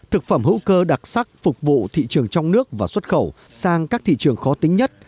thực phẩm hữu cơ đặc sắc phục vụ thị trường trong nước và xuất khẩu sang các thị trường khó tính nhất